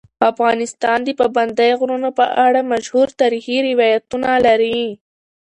افغانستان د پابندی غرونه په اړه مشهور تاریخی روایتونه لري.